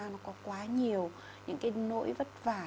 nó có quá nhiều những cái nỗi vất vả